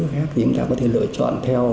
thì chúng ta có thể lựa chọn theo